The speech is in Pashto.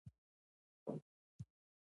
تازه میوه د ماشوم لپاره ګټوره ده۔